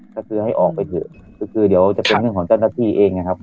ก็คือให้ออกไปเถอะก็คือเดี๋ยวจะเป็นเรื่องของเจ้าหน้าที่เองนะครับ